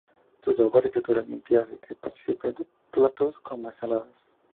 Su sabor y textura limpia hace que participe de platos como ensaladas.